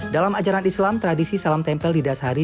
dalam ajaran islam tradisi salam tempel didasari